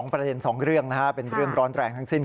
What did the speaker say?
ประเด็น๒เรื่องเป็นเรื่องร้อนแรงทั้งสิ้น